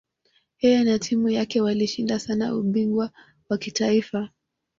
Yeye na timu yake walishinda sana ubingwa wa kitaifa.